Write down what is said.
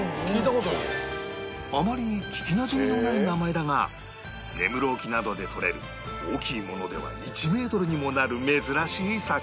あまり聞きなじみのない名前だが根室沖などでとれる大きいものでは１メートルにもなる珍しい魚